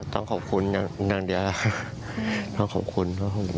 ต้องขอบคุณอย่างเดียวนะต้องขอบคุณ